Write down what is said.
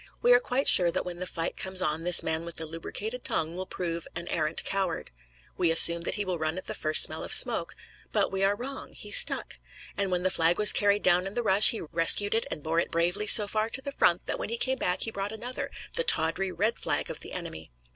We are quite sure that when the fight comes on this man with the lubricated tongue will prove an arrant coward; we assume that he will run at the first smell of smoke. But we are wrong he stuck; and when the flag was carried down in the rush, he rescued it and bore it bravely so far to the front that when he came back he brought another the tawdry, red flag of the enemy!